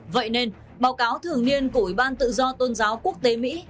vậy nên báo cáo thường niên của ủy ban tự do tôn giáo quốc tế mỹ